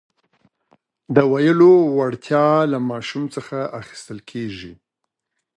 د ویلو وړتیا له ماشوم څخه اخیستل کېږي.